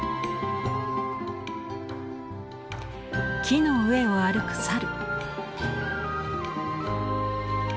木の上を歩く猿。